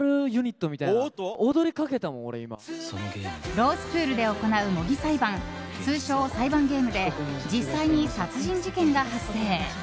ロースクールで行う模擬裁判通称、裁判ゲームで実際に殺人事件が発生。